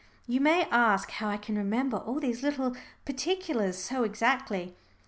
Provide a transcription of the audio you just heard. You may ask how I can remember all these little particulars so exactly.